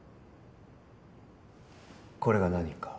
これが何か？